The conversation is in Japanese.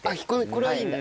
これはいいんだね。